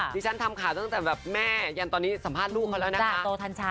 ที่ฉันทำข่าวตั้งแต่แบบแม่ยันตอนนี้สัมภาษณ์ลูกเขาแล้วนะคะ